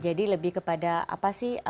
jadi lebih kepada apa sih